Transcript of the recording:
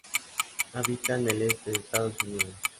Habita en el este de Estados Unidos.